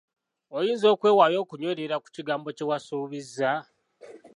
Oyinza okwewaayo okunywerera ku kigambo kye wasuubiza.